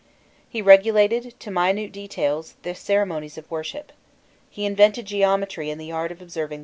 He regulated, to minute details, the ceremonies of worship. He invented geometry and the art of observing the heavens.